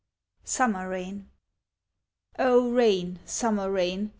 SUMMER RAIN O rain, Summer Rain!